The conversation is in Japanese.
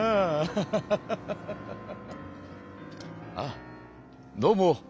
あどうも。